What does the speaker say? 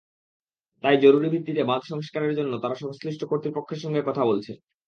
তাই জরুরি ভিত্তিতে বাঁধ সংস্কারের জন্য তাঁরা সংশ্লিষ্ট কর্তৃপক্ষের সঙ্গে কথা বলেছেন।